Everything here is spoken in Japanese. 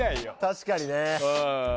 確かにね。